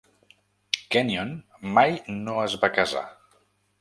Kenyon mai no es va casar.